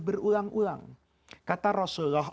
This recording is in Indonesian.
berulang ulang kata rasulullah